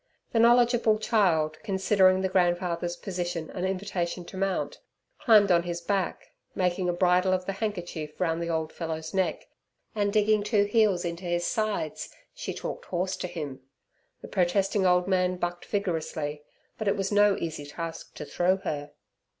The knowledgeable child, considering the grandfather's position an invitation to mount, climbed on his back. Making a bridle of the handkerchief round the old fellow's neck, and digging two heels into his sides, she talked horse to him. The protesting old man bucked vigorously, but it was no easy task to throw her.